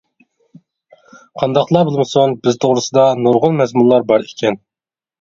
قانداقلا بولمىسۇن بىز توغرىسىدا نۇرغۇن مەزمۇنلار بار ئىكەن.